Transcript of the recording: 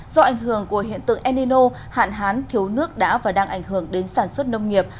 do ảnh hưởng của hiện tượng enino hạn hán thiếu nước đã và đang ảnh hưởng đến sản xuất nông nghiệp